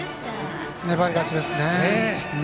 粘り勝ちですね。